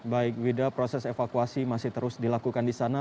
baik wida proses evakuasi masih terus dilakukan di sana